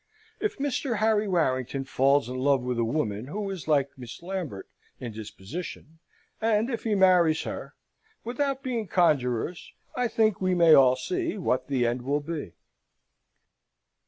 If Mr. Harry Warrington falls in love with a woman who is like Miss Lambert in disposition, and if he marries her without being conjurers, I think we may all see what the end will be.